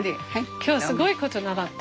今日すごいこと習った。